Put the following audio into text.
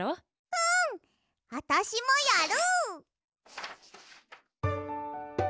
うん！あたしもやる！